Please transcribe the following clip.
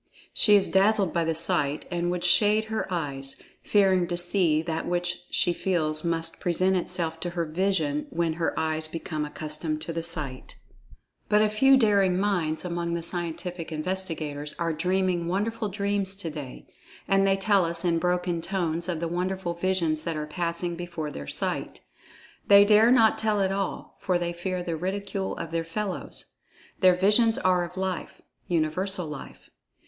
She is dazzled by the sight, and would shade her eyes, fearing to see that which she feels must present itself to her vision when her eyes become accustomed to the sight.[Pg 42] But a few daring minds among the scientific investigators are dreaming wonderful dreams to day, and they tell us in broken tones of the wonderful visions that are passing before their sight. They dare not tell it all, for they fear the ridicule of their fellows. Their visions are of Life—Universal Life.